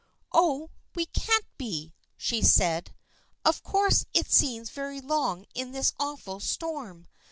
" Oh, we can't be !" she said. " Of course it seems very long in this awful storm.